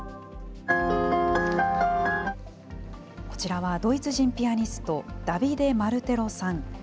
こちらはドイツ人ピアニスト、ダビデ・マルテロさん。